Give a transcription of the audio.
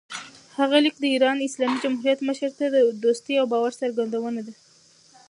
هغه لیک د ایران اسلامي جمهوریت مشر ته د دوستۍ او باور څرګندونه ده.